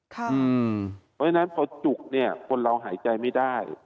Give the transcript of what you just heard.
เพราะฉะนั้นพอจุกเนี่ยคนเราหายใจไม่ได้